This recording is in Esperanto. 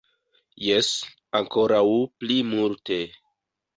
Jes, ankoraŭ pli multe.